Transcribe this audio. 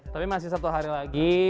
tapi masih satu hari lagi